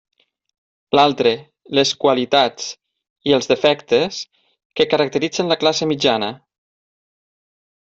L'altre, les qualitats i els defectes que caracteritzen la classe mitjana.